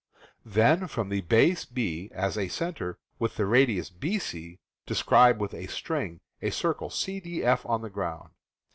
Then from the base 5 as a center, with the radius BC, describe with a string a circle CDF on the ground.